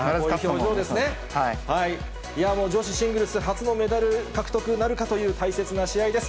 もう女子シングルス初のメダル獲得なるかという大切な試合です。